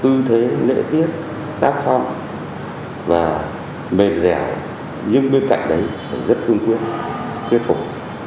tư thế lễ tiết tác phong và mềm dẻo nhưng bên cạnh đấy là rất thương quyết thuyết phục